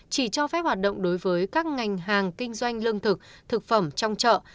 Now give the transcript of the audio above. chỉ cho phép hoạt động đối với các ngành hàng kinh doanh lương thực thực phẩm trong chợ